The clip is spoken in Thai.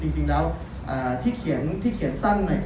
จริงด้วยที่เขียนสั้นหน่อย